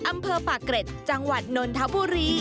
อำเภอปากเกร็ดจังหวัดนนทบุรี